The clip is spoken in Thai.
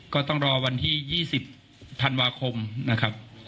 ก็ต้องรอวันที่๒๐ธันวาคมนะครับ